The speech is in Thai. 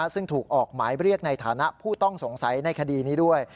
ซึ่งถูกออกหมายเรียกในฐานะผู้ต้องสงสัยในคดีนี้ด้วย